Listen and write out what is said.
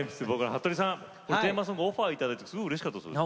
はっとりさんテーマソングオファーをいただいてすごいうれしかったそうですね。